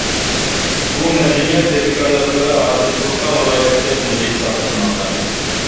بۇ مەدەنىيەت يادىكارلىقلىرى ھازىر تۇرپان ۋىلايەتلىك مۇزېيدا ساقلانماقتا.